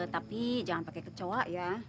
tapi jangan pakai kecoa ya